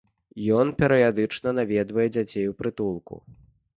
Ён перыядычна наведвае дзяцей у прытулку.